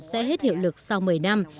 sẽ hết hiệu lực sau một mươi năm